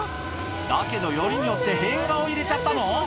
だけどよりによって変顔入れちゃったの？